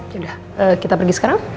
yaudah kita pergi sekarang